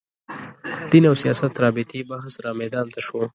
دین او سیاست رابطې بحث رامیدان ته شو